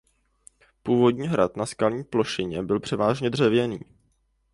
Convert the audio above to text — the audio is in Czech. Původní hrad na skalní plošině byl převážně dřevěný.